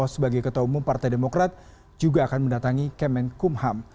bahwa sebagai ketua umum partai demokrat juga akan mendatangi kementerian hukum dan ham